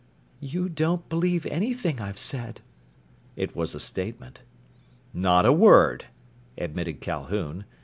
"You don't believe anything I've said!" It was a statement. "Not a word," admitted Calhoun.